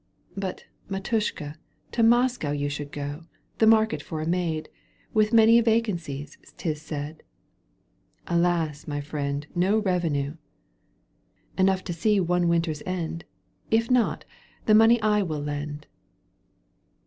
" But, mdttishka, to Moscow you "^^ Should go, the market for a maid,~7 With many a vacancy, 'tis said." —" Alas ! my friend, no revenue !"" Enough to see one winter's end ; If not, the money I will lend."